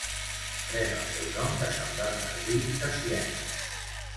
Pren el seu nom de Sant Bernadí de Siena.